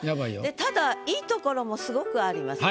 ただいいところもすごくあります。